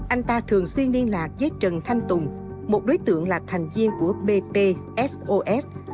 anh ta thường xuyên liên lạc với trần thanh tùng một đối tượng là thành viên của bpsos